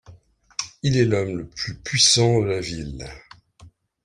Il est l'homme le plus puissant de la ville.